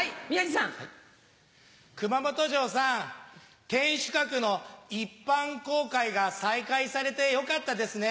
熊本城さん、天守閣の一般公開が再開されてよかったですね。